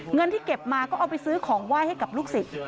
เงินที่เก็บมาก็เอาไปซื้อของไหว้ให้กับลูกศิษย์